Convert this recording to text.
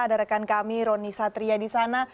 ada rekan kami roni satria di sana